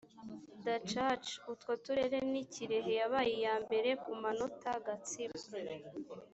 dacaci utwo turere ni kirehe yabaye iya mbere ku manota gatsibo